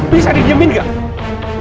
bisa didiamin tidak